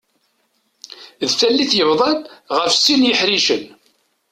D tallit yebḍan ɣef sin yiḥricen.